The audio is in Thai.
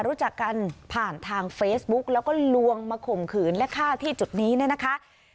รู้จักกันผ่านทางเฟซบุ๊กแล้วก็ลวงมาข่มขืนและฆ่าที่จุดนี้เนี่ยนะคะ